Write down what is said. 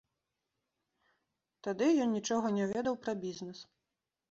Тады ён нічога не ведаў пра бізнес.